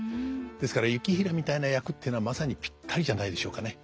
ですから行平みたいな役っていうのはまさにぴったりじゃないでしょうかね。